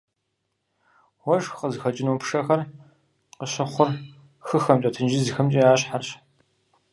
Уэшх къызыхэкӏыну пшэхэр къыщыхъур хыхэмрэ тенджызхэмрэ я щхьэрщ.